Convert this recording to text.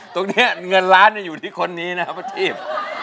ตรงนี้เงินล้านอยู่ที่คนนี้นะครับประทีบ